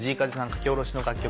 書き下ろしの楽曲